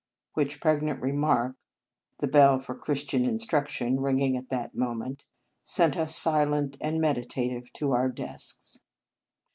Which pregnant remark the bell for " Christian Instruction " ringing at that moment sent us si lent and meditative to our desks.